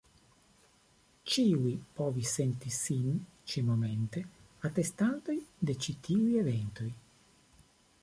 Ĉiuj povis senti sin ĉi-momente atestantoj de ĉi tiuj eventoj.